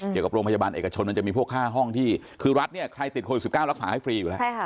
เกี่ยวกับโรงพยาบาลเอกชนมันจะมีพวกค่าห้องที่คือรัฐเนี่ยใครติดโควิด๑๙รักษาให้ฟรีอยู่แล้ว